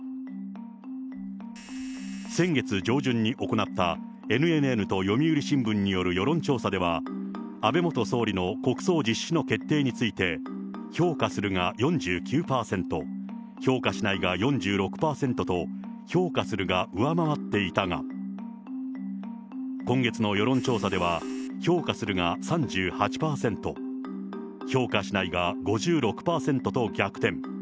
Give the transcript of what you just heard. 先月上旬に行ったＮＮＮと読売新聞による世論調査では、安倍元総理の国葬実施の決定について、評価するが４９％、評価しないが４６％と、評価するが上回っていたが、今月の世論調査では、評価するが３８％、評価しないが５６％と逆転。